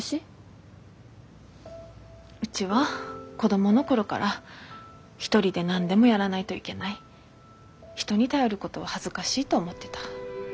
うちは子供の頃から一人で何でもやらないといけない人に頼ることは恥ずかしいと思ってた。